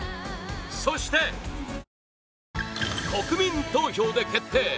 そして国民投票で決定！